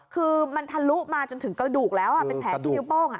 คือมันทะลุมาจนถึงกระดูกแล้วเป็นแผลที่นิ้วโป้ง